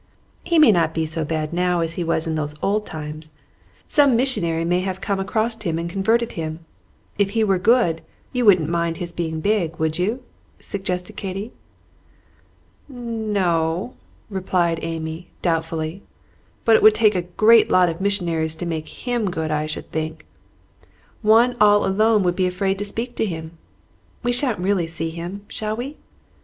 "He may not be so bad now as he was in those old times. Some missionary may have come across him and converted him. If he were good, you wouldn't mind his being big, would you?" suggested Katy. "N o," replied Amy, doubtfully; "but it would take a great lot of missionaries to make him good, I should think. One all alone would be afraid to speak to him. We shan't really see him, shall we?"